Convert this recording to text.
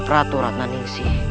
ratu ratna ningsi